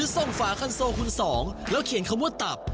ส่งฝาคันโซคุณสองแล้วเขียนคำว่าตับ